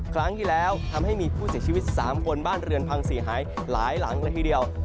ครั้งที่แล้วทำให้มีผู้เสียชีวิต๓คนบ้านเรือนพังเสียหายหลายหลังละทีเดียว